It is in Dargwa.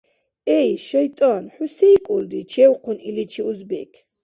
— Эй, шайтӀан! ХӀу сейкӀулри? – чевхъун иличи узбек.